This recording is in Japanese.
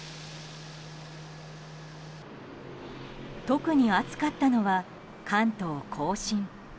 特に暑かったのは関東・甲信。